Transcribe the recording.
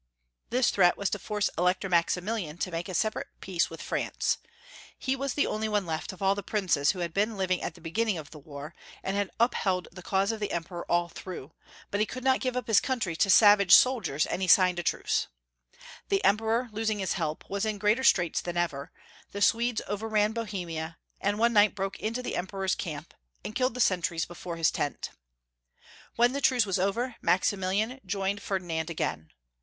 This threat was to force the Elector Maximilian to make a separate peace with France. He was the only one left of all the princes who had been living at the beginning Of the war, and had upheld the cause of the Emperor all through, but he could not give up his country to the savage soldiers, and he signed a truce. The Emperor, losing his help, was in greater straits than ever, the Swedes over ran Bohemia, and one night broke into the Em peror's camp, and killed the sentries before his tent. When the truce was over, Maximilian joined Fer dinand again.